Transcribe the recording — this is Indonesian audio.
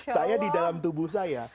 saya di dalam tubuh saya